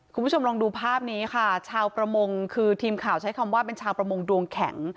คุณผู้ชมลองดูภาพนี้ค่ะชาวประมงคือทีมข่าวใช้คำว่าเป็นชาวประมงดวงแข็ง